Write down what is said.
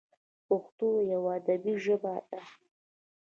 پښتو یوه ادبي ژبه ده.